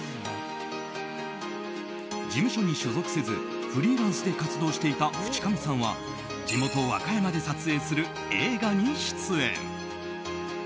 事務所に所属せずフリーランスで活動していた淵上さんは地元・和歌山で撮影する映画に出演。